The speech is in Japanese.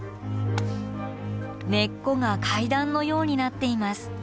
根っこが階段のようになっています。